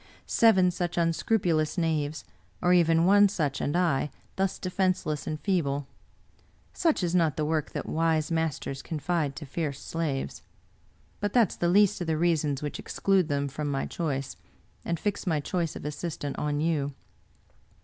Seven such unscrupulous knaves, or even one such, and I, thus defenseless and feeble! Such is not the work that wise masters confide to fierce slaves. But that is the least of the reasons which exclude them from my choice, and fix my choice of assistant on you.